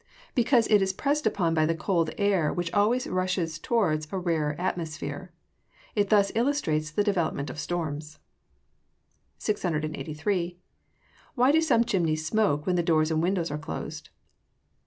_ Because it is pressed upon by the cold air which always rushes towards a rarer atmosphere. It thus illustrates the development of storms. 683. _Why do some chimneys smoke when the doors and windows are closed?